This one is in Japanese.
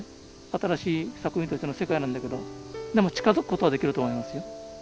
新しい作品としての世界なんだけどでも近づくことはできると思いますよ。